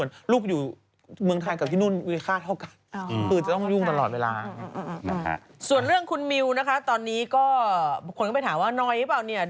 อือแน่นไปถึงก็ทำงานเลย